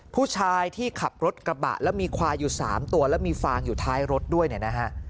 ผู้ชายที่ขับรถกระบะแล้วมีควายอยู่๓ตัวแล้วมีฟางอยู่ท้ายรถด้วยเนี่ยนะฮะ